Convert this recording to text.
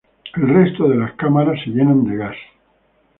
El resto de cámaras se llenan de gas.